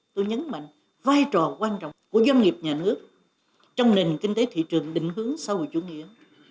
tôi nhấn mạnh vai trò quan trọng của doanh nghiệp nhà nước trong nền kinh tế thị trường định hướng xã hội chủ nghĩa